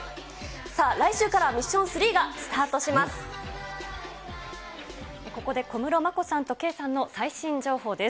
さあ、来週からはミッション３がスタートします。